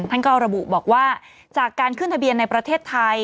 ท่านก็ระบุบอกว่าจากการขึ้นทะเบียนในประเทศไทย